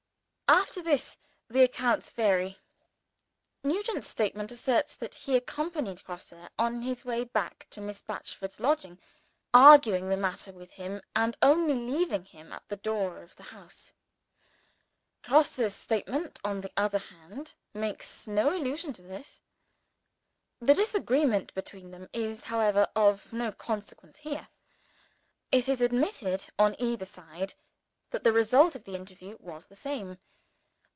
After this, the accounts vary. Nugent's statement asserts that he accompanied Grosse on his way back to Miss Batchford's lodging, arguing the matter with him, and only leaving him at the door of the house. Grosse's statement, on the other hand, makes no allusion to this. The disagreement between them is, however, of no consequence here. It is admitted, on either side, that the result of the interview was the same.